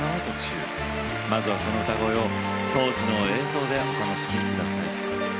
まずはその歌声を当時の映像でお楽しみください。